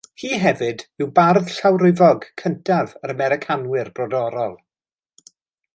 Hi hefyd yw Bardd Llawryfog cyntaf yr Americanwyr Brodorol.